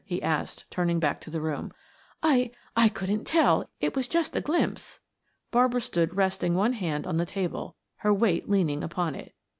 he asked, turning back to the room. "I I couldn't tell; it was just a glimpse." Barbara stood resting one hand on the table, her weight leaning upon it.